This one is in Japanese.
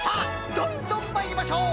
どんどんまいりましょう！